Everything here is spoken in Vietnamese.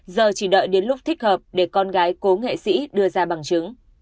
giờ chỉ đợi đến lúc thích hợp để con gái cố nghệ sĩ đưa ra bằng chứng